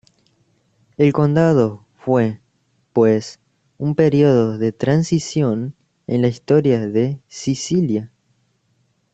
El condado fue, pues, un período de transición en la historia de Sicilia.